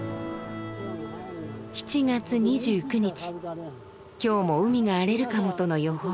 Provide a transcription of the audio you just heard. ７月２９日今日も海が荒れるかもとの予報。